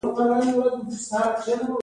د بانک مالک یوه اندازه پیسې په پور ورکوي